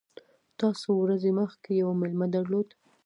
تا څو ورځي مخکي یو مېلمه درلود !